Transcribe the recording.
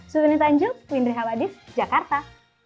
suwini tanjuk windri hawadis jakarta